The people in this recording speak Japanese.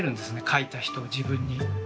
描いた人を自分に。